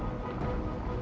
tuhan aku ingin menang